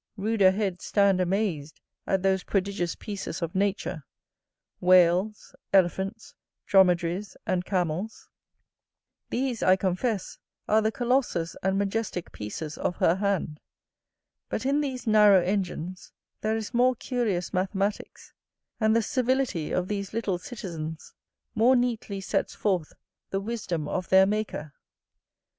Ruder heads stand amazed at those prodigious pieces of nature, whales, elephants, dromedaries, and camels; these, I confess, are the colossus and majestick pieces of her hand; but in these narrow engines there is more curious mathematicks; and the civility of these little citizens more neatly sets forth the wisdom of their Maker.